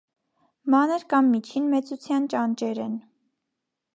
Մանր կամ միջին մեծության ճանճեր են։